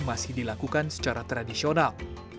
masih dilakukan secara tradisional